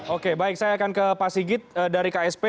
oke baik saya akan ke pak sigit dari ksp